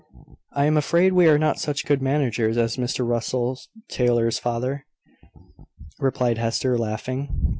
"I am afraid we are not such good managers as Mr Russell Taylor's father," replied Hester, laughing.